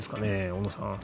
小野さん。